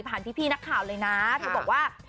ผ่านพี่นักข่าวเลยนะเขาบอกว่า